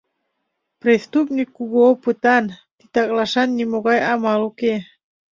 Преступник кугу опытан, титаклашат нимогай амал уке.